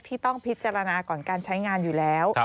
ที่ต้องพิจารณาก่อนการใช้งานอยู่แล้ว